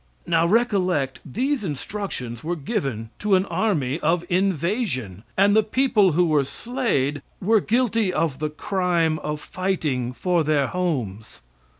Now recollect, these instructions were given to an army of invasion, and the people who were slayed were guilty of the crime of fighting for their homes.